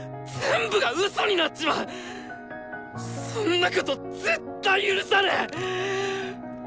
そんなこと絶対許さねぇ！